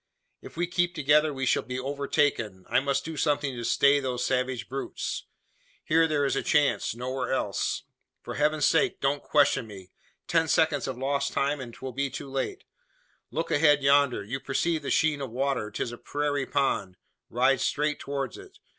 "If we keep together we shall be overtaken. I must do something to stay those savage brutes. Here there is a chance nowhere else. For heaven's sake don't question me! Ten seconds of lost time, and 'twill be too late. Look ahead yonder. You perceive the sheen of water. 'Tis a prairie pond. Ride straight towards it.